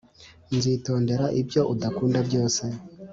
Nzitondera ibyo udakunda byose